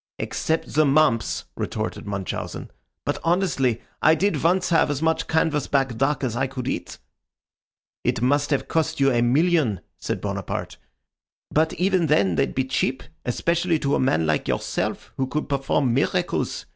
"Except the mumps," retorted Munchausen. "But, honestly, I did once have as much canvas back duck as I could eat." "It must have cost you a million," said Bonaparte. "But even then they'd be cheap, especially to a man like yourself who could perform miracles.